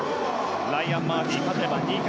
ライアン・マーフィー勝てば２冠。